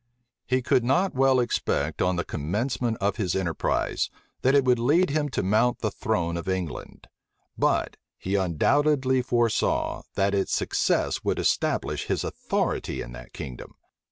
He could not well expect, on the commencement of his enterprise, that it would lead him to mount the throne of England: but he undoubtedly foresaw, that its success would establish his authority in that kingdom.